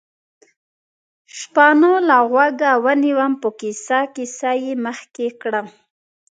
شپانه له غوږه ونیوم، په کیسه کیسه یې مخکې کړم.